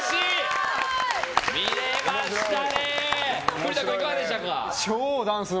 栗田君いかがでしたか？